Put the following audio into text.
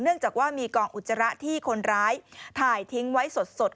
จากว่ามีกองอุจจาระที่คนร้ายถ่ายทิ้งไว้สด